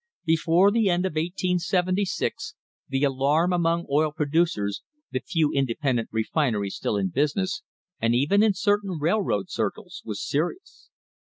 Before the end of 1876 the alarm among oil producers, the few inde pendent refineries still in business, and even in certain railroad circles was serious.